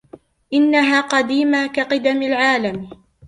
إنها قديمة كقِدم العالم.